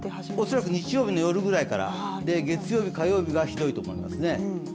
恐らく日曜日の夜ぐらいから、月曜日火曜日が、ひどいと思いますね。